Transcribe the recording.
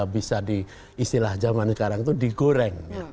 bisa di istilah zaman sekarang itu digoreng